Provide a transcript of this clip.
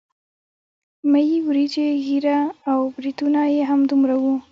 مۍ وريجې ږيره او برېتونه يې همدومره وو.